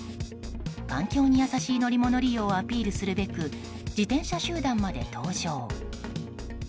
環境に優しい乗り物利用をアピールするべく自転車集団まで登場。